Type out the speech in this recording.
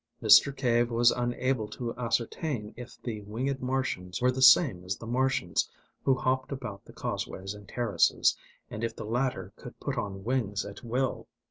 Mr. Cave was unable to ascertain if the winged Martians were the same as the Martians who hopped about the causeways and terraces, and if the latter could put on wings at will.